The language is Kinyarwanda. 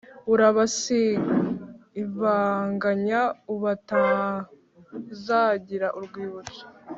urabasibanganya ubutazagira urwibutso.